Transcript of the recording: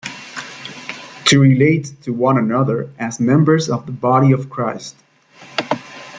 To relate to one another as members of the body of Christ.